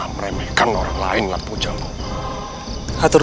kalian sangatlah betul